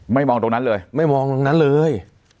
ไม่มองตรงนั้นเลย